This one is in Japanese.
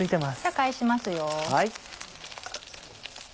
返しますよ。